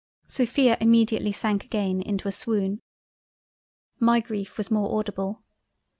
Sophia immediately sank again into a swoon—. My greif was more audible.